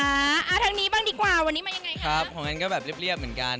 อ่าทั้งนี้บ้างดีกว่าวันนี้มาอย่างไรคะ